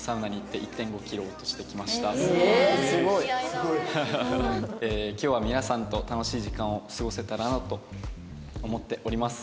すごい。今日は皆さんと楽しい時間を過ごせたらなと思っております。